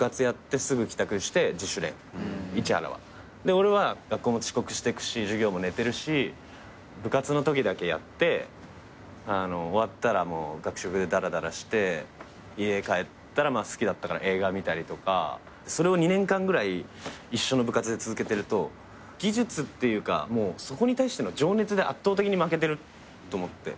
俺は学校も遅刻していくし授業も寝てるし部活のときだけやって終わったら学食でだらだらして家帰ったらまあ好きだったから映画見たりとかそれを２年間ぐらい一緒の部活で続けてると技術っていうかもうそこに対しての情熱で圧倒的に負けてると思って。